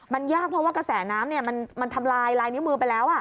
มันยากเพราะว่ากระแสน้ำมันทำลายลายนิ้วมือไปแล้ว